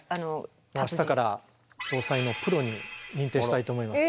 明日から防災のプロに認定したいと思います。